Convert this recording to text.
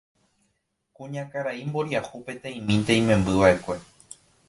kuñakarai mboriahu peteĩmínte imembyva'ekue.